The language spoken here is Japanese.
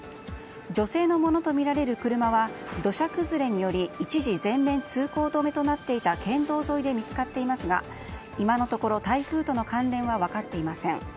女性のものとみられる車は土砂崩れにより一時全面通行止めとなっていた県道沿いで見つかっていますが今のところ台風との関連は分かっていません。